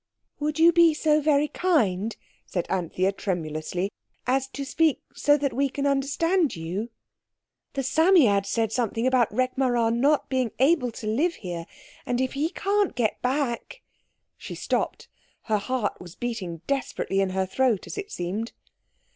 "Would you be so very kind," said Anthea tremulously, "as to speak so that we can understand you? The Psammead said something about Rekh marā not being able to live here, and if he can't get back—" She stopped, her heart was beating desperately in her throat, as it seemed.